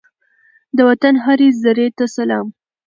د وطن هرې زرې ته سلام!